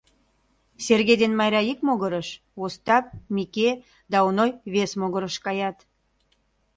Серге ден Майра ик могырыш, Остап, Мике да Оной вес могырыш каят.